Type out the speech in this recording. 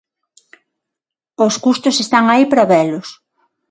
Os custos están aí para velos.